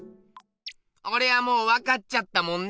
おれはもうわかっちゃったもんね！